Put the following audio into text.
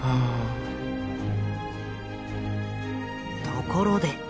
ところで。